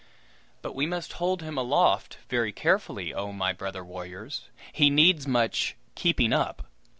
But we must hold him aloft very carefully, oh, my brother warriors! He needs much "keeping up."